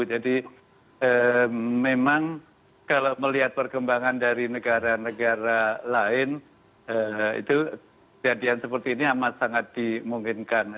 jadi memang kalau melihat perkembangan dari negara negara lain itu kejadian seperti ini amat sangat dimungkinkan